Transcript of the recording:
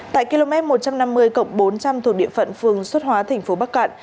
tại km một trăm năm mươi cộng bốn trăm linh thuộc địa phận phương xuất hóa tp bắc cận